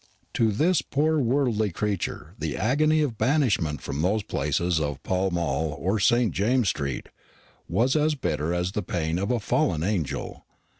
To this poor worldly creature the agony of banishment from those palaces of Pall Mall or St. James's street was as bitter as the pain of a fallen angel.